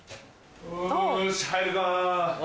よし入るか。